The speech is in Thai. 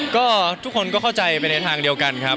ก็ทุกคนก็เข้าใจไปในทางเดียวกันครับ